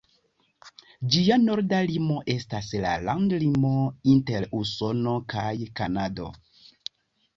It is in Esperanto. Ĝia norda limo estas la landlimo inter Usono kaj Kanado.